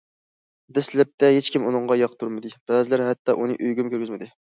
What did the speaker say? دەسلەپتە ھېچكىم ئۇنىڭغا ياقتۇرمىدى، بەزىلەر ھەتتا ئۇنى ئۆيىگىمۇ كىرگۈزمىدى.